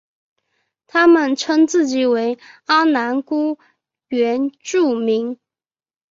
他们称自己为阿男姑原住民。